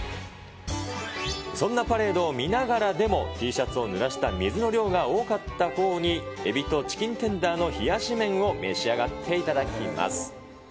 そんなパレードを見ながらでもＴシャツをぬらした水の量が多かったほうに、エビとチキンテンダーの冷やし麺を召し上がっていただきます。